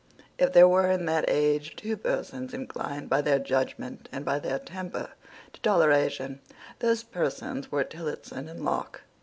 If there were in that age two persons inclined by their judgment and by their temper to toleration, those persons were Tillotson and Locke.